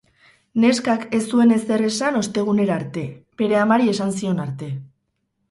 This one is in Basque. Neskak ez zuen ezer esan ostegunera arte, bere amari esan zion arte.